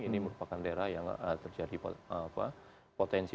ini merupakan daerah yang terjadi potensi